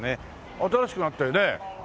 新しくなったよね。